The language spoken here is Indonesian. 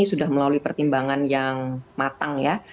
sudah melalui pertimbangan yang matang ya